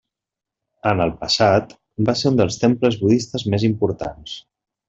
En el passat, va ser un dels temples budistes més importants.